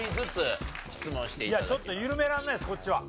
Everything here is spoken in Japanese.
いやちょっと緩められないですこっちは。